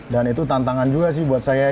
dan itu tantangan juga sih buat saya